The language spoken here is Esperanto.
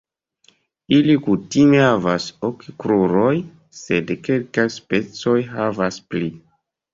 Ili kutime havas ok kruroj, sed kelkaj specoj havas pli.